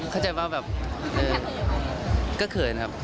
เข้าใจว่าแบบก็เขินครับ